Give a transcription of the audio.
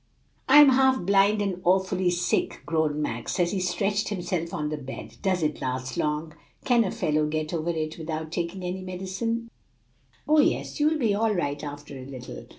"I'm half blind and awfully sick," groaned Max, as he stretched himself on the bed. "Does it last long? can a fellow get over it without taking any medicine?" "Oh, yes; you'll be all right after a little."